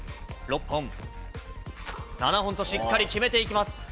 ６本、７本としっかり決めていきます。